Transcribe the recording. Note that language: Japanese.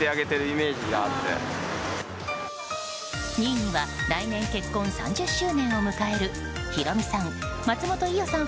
２位には来年結婚３０周年を迎えるヒロミさん、松本伊代さん